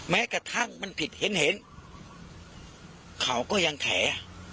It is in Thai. แม้กระทั่งมันผิดเห็นเห็นเขาก็ยังแถ